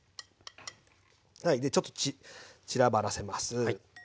はいちょっと散らばらせます。